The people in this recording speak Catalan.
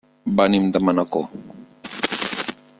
Venim de Manacor.